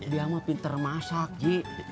dia mah pinter masak ji